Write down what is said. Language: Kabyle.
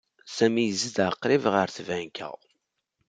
Sami yezdeɣ qrib ɣer tbanka.